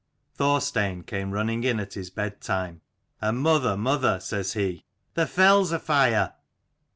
Thorstein came running in at his bed Itime, and " Mother, mother," says he, " the fell's afire